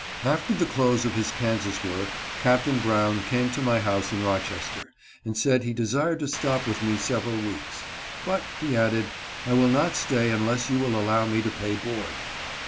After the close of his Kansas work, Captain Brown came to my house in Rochester, and said he desired to stop with me several weeks; "but," he added, " I will not stay unless you will allow me to pay board."